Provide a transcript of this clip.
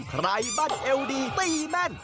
บั้นเอวดีตีแม่น